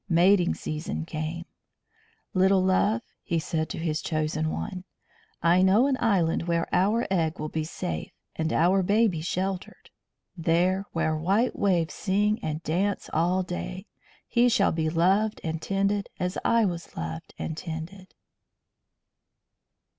Mating season came. "Little love," he said to his chosen one, "I know an island where our egg will be safe and our baby sheltered. There, where white waves sing and dance all day, he shall be loved and tended as I was loved and tended."